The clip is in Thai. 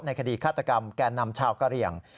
ในคดีฆาตกรรมแก่นำชาวกระเรียง